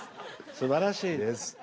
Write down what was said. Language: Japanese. すばらしいです。